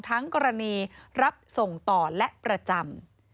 กรณีรับส่งต่อและประจำ